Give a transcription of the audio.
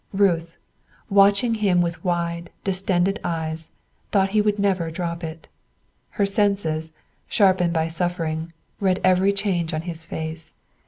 Ruth, watching him with wide, distended eyes, thought he would never drop it. Her senses, sharpened by suffering, read every change on his face.